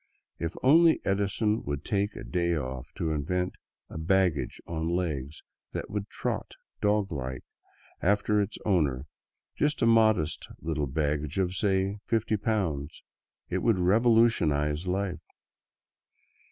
If only Edison would take a day off to invent a baggage on legs that would trot, dog fashion, after its owner — just a modest little baggage of, say, fifty pounds — it would revolutionize life.